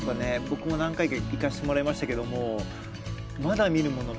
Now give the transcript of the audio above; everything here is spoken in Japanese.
僕も何回か行かせてもらいましたけどもまだ見ぬもの